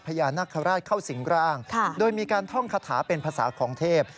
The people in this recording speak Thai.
พญานาคาราชเข้าสิงร่างโดยมีการท่องคาถาเป็นภาษาของเทพ